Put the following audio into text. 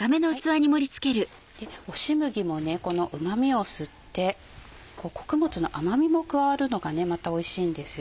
押し麦もこの旨味を吸って穀物の甘みも加わるのがまたおいしいんですよ。